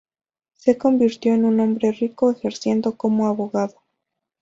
Se convirtió en un hombre rico ejerciendo como abogado.